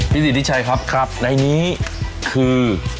พี่ศิษย์ที่ใช้ครับครับในนี้คือ